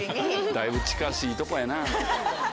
だいぶ近しいとこやな。